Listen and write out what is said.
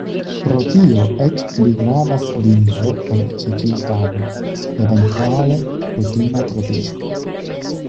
Pro tio eĉ pli gravas lingvo ol ĉe ĉiutaga, eventuale rutina traduko.